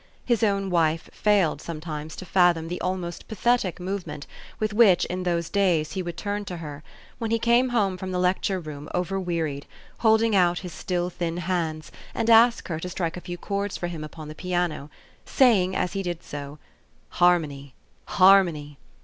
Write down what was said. His own wife failed some times to fathom the almost pathetic movement with which, in those days, he would turn to her, when he came home from the lecture room over wearied, holding out his still thin hands, and ask her to strike a few chords for him upon the piano, saying, as he did so, "Harmony, harmony!